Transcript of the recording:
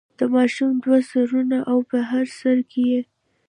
د ماشوم دوه سرونه او په هر سر کې.